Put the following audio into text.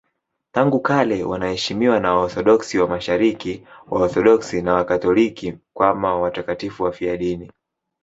Tangu kale wanaheshimiwa na Waorthodoksi wa Mashariki, Waorthodoksi na Wakatoliki kama watakatifu wafiadini.